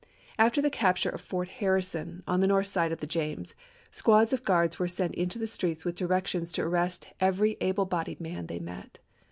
After the capture of Fort Harrison, on the north side of the James, squads of guards were sent into the streets with directions to arrest every able bodied man they met.